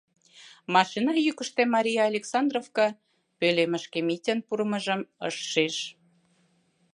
Машина йӱкыштӧ Мария Александровка пӧлемышке Митян пурымыжым ыш шиж.